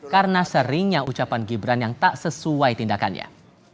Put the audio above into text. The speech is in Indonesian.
karena seringnya ucapan gibran yang tak sesuai tindakannya